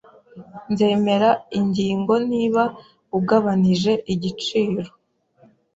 Nzemera ingingo niba ugabanije igiciro